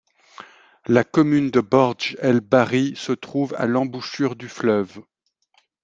La commune de Bordj El Bahri se trouve à l'embouchure du fleuve.